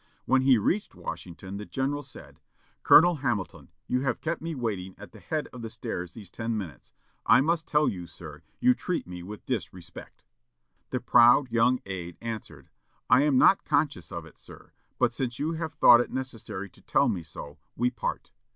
When he reached Washington, the general said, "Colonel Hamilton, you have kept me waiting at the head of the stairs these ten minutes. I must tell you, sir, you treat me with disrespect." The proud young aid answered, "I am not conscious of it, sir; but since you have thought it necessary to tell me so, we part."